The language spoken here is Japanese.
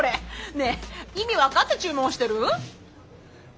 ねえ意味分かって注文してる？